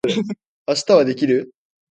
明日はできる？